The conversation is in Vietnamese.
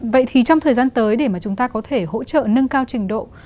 vậy thì trong thời gian tới để mà chúng ta có thể hỗ trợ nâng cao trình độ